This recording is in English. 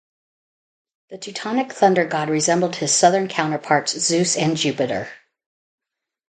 The Teutonic thunder god resembled his southern counterparts Zeus and Jupiter.